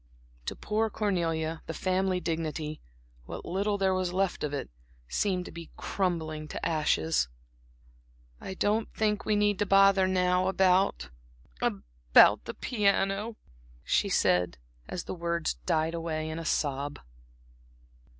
To poor Cornelia the family dignity what little there was left of it seemed to be crumbling to ashes. "I don't think we need to bother now about about the piano," she said, and the words died away in a sob.